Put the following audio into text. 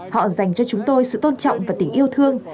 họ dành cho chúng tôi sự tôn trọng và tình yêu thương